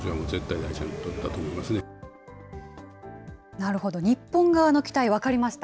なるほど、日本側の期待、分かりました。